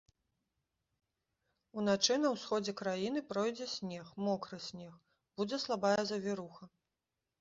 Уначы на ўсходзе краіны пройдзе снег, мокры снег, будзе слабая завіруха.